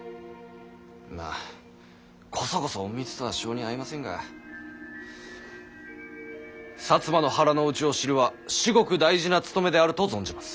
まあこそこそ隠密とは性に合いませんが摩の腹の内を知るは至極大事な務めであると存じます。